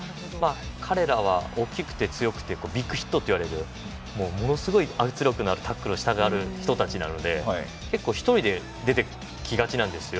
彼らは大きくて強くてビッグヒットっていう圧力のあるタックルをする人たちなので１人で出てきがちなんですよ。